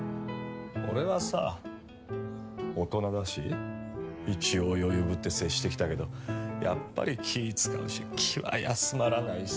俺はさ大人だし一応余裕ぶって接してきたけどやっぱり気ぃ使うし気は休まらないしさ。